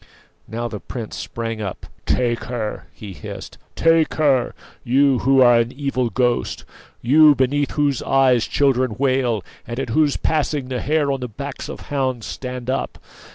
Now the prince sprang up. "Take her!" he hissed; "take her! you, who are an evil ghost; you, beneath whose eyes children wail, and at whose passing the hairs on the backs of hounds stand up!